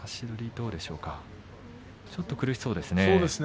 ちょっと苦しそうですね。